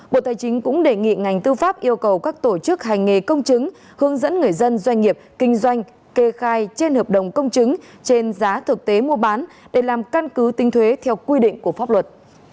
bộ tài chính cũng đề nghị ngành tư pháp yêu cầu các tổ chức hành nghề công chứng hướng dẫn người dân doanh nghiệp kinh doanh kê khai trên hợp đồng công chứng trên giá thực tế mua bán để làm căn cứ tính thuế theo quy định của pháp luật